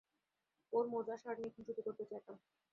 ওর মোজা, শার্ট নিয়ে খুনসুটি করতে চাইতাম।